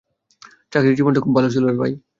চাকরি জীবনটা খুব ভালো ছিল।